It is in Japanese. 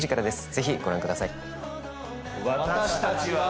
ぜひご覧ください